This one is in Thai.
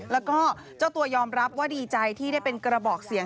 แล้วก็เจ้าตัวยอมรับว่าดีใจที่ได้เป็นกระบอกเสียง